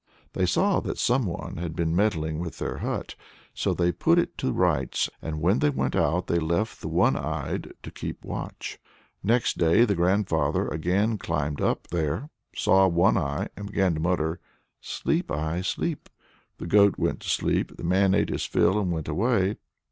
They saw that some one had been meddling with their hut, so they put it to rights, and when they went out they left the one eyed to keep watch. Next day the grandfather again climbed up there, saw One Eye and began to mutter 'Sleep, eye, sleep!' The goat went to sleep. The man ate his fill and went away.